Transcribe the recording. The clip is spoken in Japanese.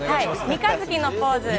三日月のポーズ。